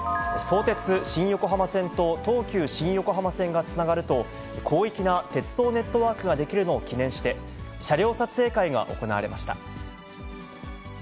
相鉄・新横浜線と東急新横浜線がつながると、広域な鉄道ネットワークが出来るのを記念して、車両撮影会が行われました。